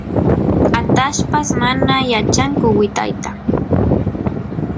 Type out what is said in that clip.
atallpas mana yachanku wytayta